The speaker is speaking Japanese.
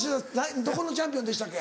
どこのチャンピオンでしたっけ？